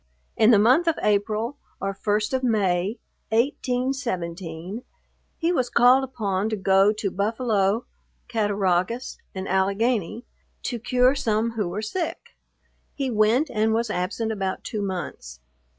In the month of April, or first of May, 1817, he was called upon to go to Buffalo, Cattaraugus and Allegany, to cure some who were sick. He went, and was absent about two months.